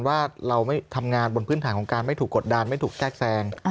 ว่าเราไม่ทำงานบนพื้นฐานของการไม่ถูกกดดันไม่ถูกแทรกแทรง